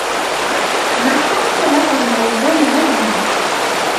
ما حدث لهم لا يزال لغزا.